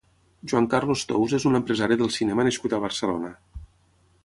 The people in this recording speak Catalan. Juan Carlos Tous és un empresari del cinema nascut a Barcelona.